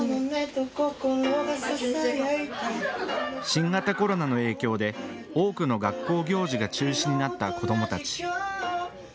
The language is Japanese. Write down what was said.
新型コロナの影響で多くの学校行事が中止になった子どもたち。